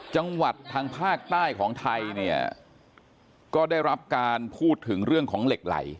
จังหวัดทางภาคใต้ของไทยเนี่ยก็ได้รับการพูดถึงเรื่องของเหล็กไหล